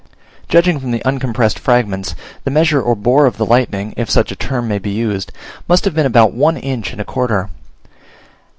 Judging from the uncompressed fragments, the measure or bore of the lightning (if such a term may be used) must have been about one inch and a quarter.